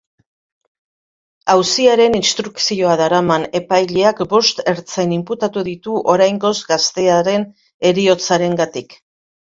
Auziaren instrukzioa daraman epaileak bost ertzain inputatu ditu oraingoz gaztearen heriotzarengatik.